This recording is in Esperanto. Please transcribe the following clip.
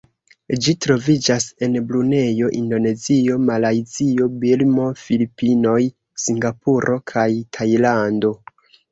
Ĝi troviĝas en Brunejo, Indonezio, Malajzio, Birmo, Filipinoj, Singapuro kaj Tajlando.